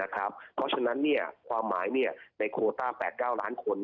เพราะฉะนั้นความหมายในโคต้า๘๙ล้านคน